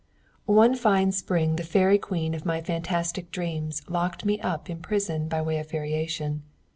One fine spring the Fairy Queen of my fantastic dreams locked me up in prison by way of variation.